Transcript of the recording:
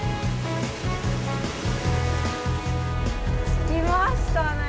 着きましたね。